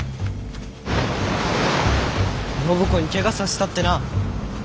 暢子にケガさせたってな。